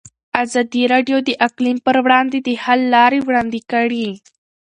ازادي راډیو د اقلیم پر وړاندې د حل لارې وړاندې کړي.